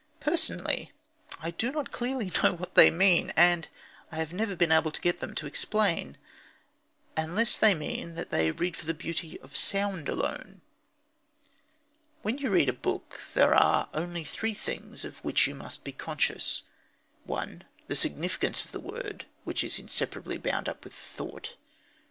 Personally, I do not clearly know what they mean (and I have never been able to get them to explain), unless they mean that they read for the beauty of sound alone. When you read a book there are only three things of which you may be conscious: (1) The significance of the words, which is inseparably bound up with the thought.